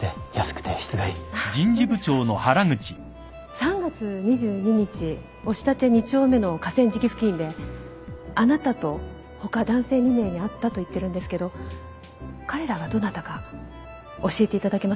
３月２２日押立２丁目の河川敷付近であなたと他男性２名に会ったと言ってるんですけど彼らがどなたか教えていただけません？